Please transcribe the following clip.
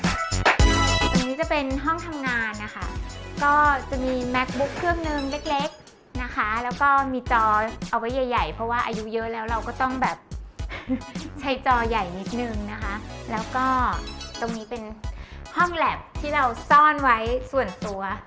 ตรงนี้จะเป็นห้องทำงานนะคะก็จะมีแม็กบุ๊กเครื่องหนึ่งเล็กนะคะแล้วก็มีจอเอาไว้ใหญ่ใหญ่เพราะว่าอายุเยอะแล้วเราก็ต้องแบบใช้จอใหญ่นิดนึงนะคะแล้วก็ตรงนี้เป็นห้องแล็บที่เราซ่อนไว้ส่วนตัว